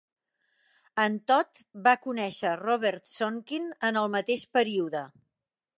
En Todd va conèixer Robert Sonkin en el mateix període.